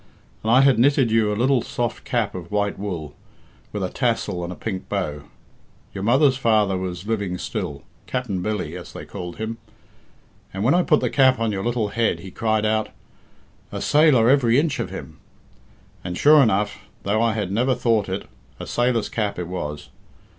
and I had knitted you a little soft cap of white wool, with a tassel and a pink bow. Your mother's father was living still Capt'n Billy, as they called him and when I put the cap on your little head, he cried out, 'A sailor every inch of him!' And sure enough, though I had never thought it, a sailor's cap it was.